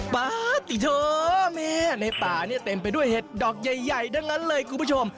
ป้าติโทแม่ในป่าเต็มไปด้วยเห็ดดอกใหญ่ดังนั้นเลยคุณผู้ชม